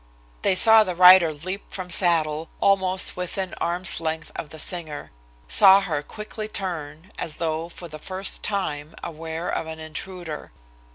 They saw the rider leap from saddle, almost within arms' length of the singer; saw her quickly turn, as though, for the first time, aware of an intruder.